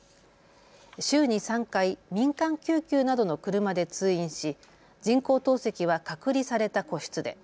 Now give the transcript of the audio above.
週に３回、民間救急などの車で通院し人工透析は隔離された個室で。